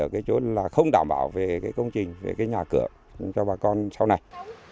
cái chỗ là không đảm bảo về cái công trình về cái nhà cửa cho bà con sau này